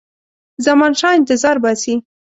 زمانشاه انتظار باسي.